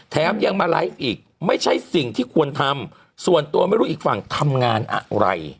ยังมาไลฟ์อีกไม่ใช่สิ่งที่ควรทำส่วนตัวไม่รู้อีกฝั่งทำงานอะไร